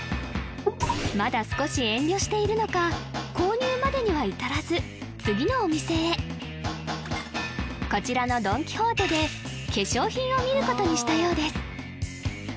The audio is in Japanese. まだ少し遠慮しているのか購入までには至らず次のお店へこちらのドン・キホーテで化粧品を見ることにしたようです